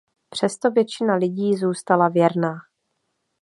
Přesto většina lidí zůstala věrná.